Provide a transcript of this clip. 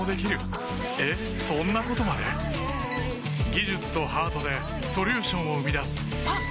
技術とハートでソリューションを生み出すあっ！